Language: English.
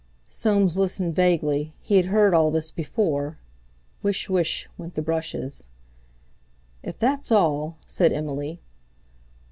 Soames listened vaguely—he had heard all this before. Whish whish! went the brushes. "If that's all!" said Emily.